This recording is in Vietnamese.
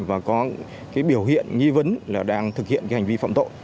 và có biểu hiện nghi vấn là đang thực hiện hành vi phạm tội